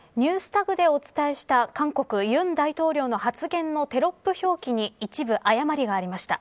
ＮｅｗｓＴａｇでお伝えした韓国、尹大統領の発言のテロップ表記に一部、誤りがありました。